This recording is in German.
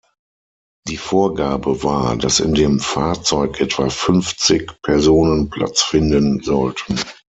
Die Vorgabe war, dass in dem Fahrzeug etwa fünfzig Personen Platz finden sollten.